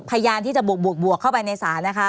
พยานที่จะบวกเข้าไปในศาลนะคะ